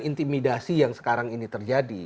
intimidasi yang sekarang ini terjadi